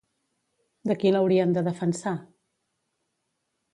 De qui l'haurien de defensar?